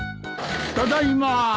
ただいま。